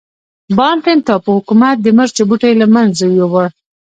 بانتن ټاپو حکومت د مرچو بوټي له منځه یووړل.